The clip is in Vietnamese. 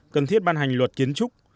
cần thiết ban hành luật kiến trúc